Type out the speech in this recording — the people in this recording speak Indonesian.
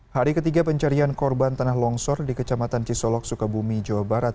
hari ketiga pencarian korban tanah longsor di kecamatan cisolok sukabumi jawa barat